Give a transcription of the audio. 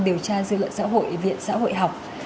điều tra dư luận xã hội viện xã hội học